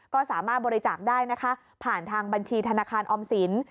ก็สามารถบริจาคได้นะคะผ่านทางบัญชีธนาคารออมสิน